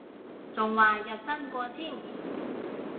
仲話日薪過千